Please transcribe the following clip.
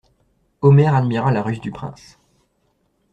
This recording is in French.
Omer admira la ruse du prince.